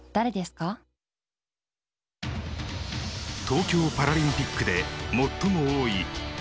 東京パラリンピックで最も多い１６７